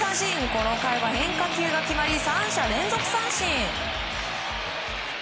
この回は変化球が決まり３者連続三振！